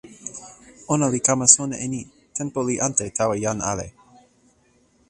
ona li kama sona e ni: tenpo li ante tawa jan ale.